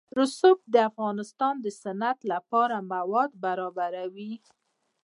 رسوب د افغانستان د صنعت لپاره مواد برابروي.